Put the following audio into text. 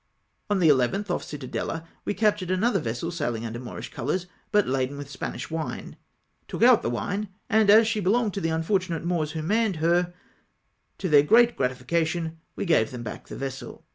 On the llth,' off Cittadella, we captured another vessel, saihng under Moorish colours, but laden with Spanish wine ; took out the wine, and as she belonged to the unfortunate Moors who manned her, to their great gratification we gave them back the vessel.